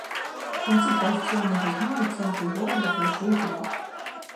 У канцы працоўнага дня у цэнтры горада пайшоў град.